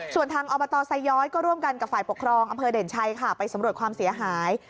ส่วนทางอบตไซย้อยก็ร่วมกันกับฝ่ายปกครองอำเภอเด่นชัยค่ะไปสำรวจความเสียหาย